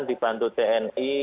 di bantuan tni